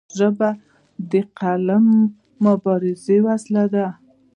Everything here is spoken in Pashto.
ژبه د قلمي مبارزې وسیله ده.